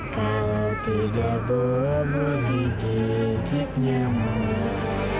kalau tidak bubu di gigit nyamuk